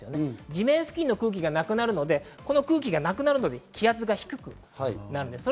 地面付近の空気がなくなるので、空気がなくなる時に気圧が低くなります。